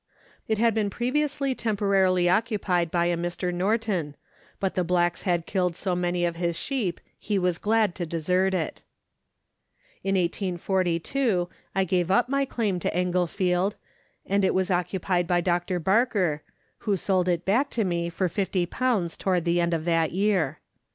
It had been previously temporarily occupied by a Mr. Norton, but the blacks had killed so many of his sheep, he was glad to desert it. In 1842 I gave up my claim to " Englefield," and it was occu pied by Dr. Barker, who sold it back to me for 50 towards the end of that year.